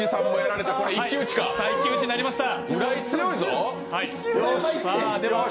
一騎打ちになりました。